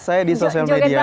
saya di sosial media